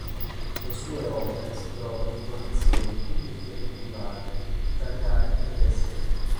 Le sue opere si trovano in collezioni pubbliche e private, italiane ed estere.